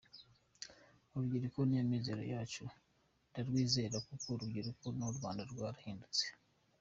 Urubyiruko ni yo mizero yacu, ndarwizera kuko urubyiruko rw’u Rwanda rwarahindutse.